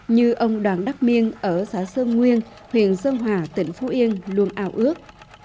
như ông đoàn đắc miên ở xã sơn nguyên huyện sơn hòa tỉnh phú yên luôn ao ước